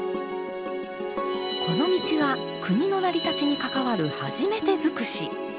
この道は国の成り立ちに関わる初めてづくし。